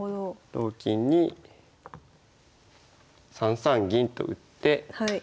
同金に３三銀と打って。